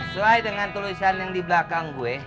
sesuai dengan tulisan yang di belakang gue